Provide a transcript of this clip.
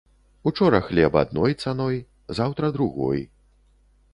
Учора хлеб адной цаной, заўтра другой.